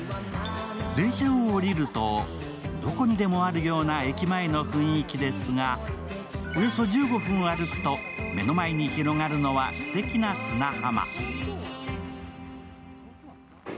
電車を降りると、どこにでもあるような駅前の雰囲気ですが、およそ１５分歩くと目の前に広がるのはすてきな砂浜。